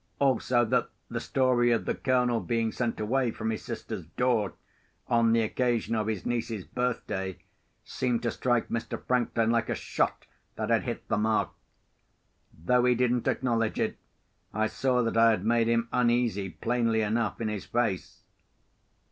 Also, that the story of the Colonel being sent away from his sister's door, on the occasion of his niece's birthday, seemed to strike Mr. Franklin like a shot that had hit the mark. Though he didn't acknowledge it, I saw that I had made him uneasy, plainly enough, in his face.